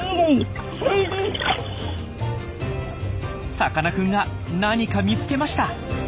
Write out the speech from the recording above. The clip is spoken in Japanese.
さかなクンが何か見つけました。